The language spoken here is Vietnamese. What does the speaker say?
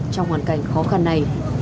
trong hoàn cảnh khó khăn này